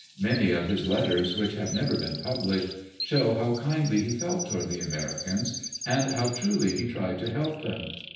Many of his let ters which have never been published show how kindly he felt toward the Americans, and how truly he tried to help them.